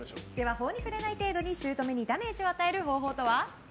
法に触れない程度に姑にダメージを与える方法とは？